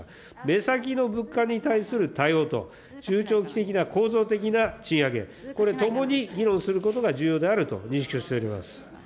目先の物価に対する対応と、中長期的な構造的な賃上げ、これ、ともに議論することが重要であると認識をしております。